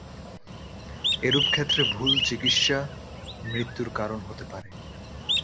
এরূপ ক্ষেত্রে ভুল চিকিৎসা মৃত্যুর কারণ হতে পারে।